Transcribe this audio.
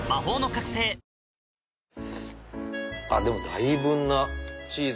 だいぶんなチーズ！